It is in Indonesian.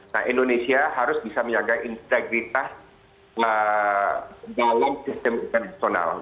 nah indonesia harus bisa menjaga integritas dalam sistem internasional